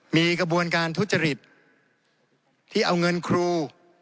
มีกระบวนการทุจริตที่เอาเงินครู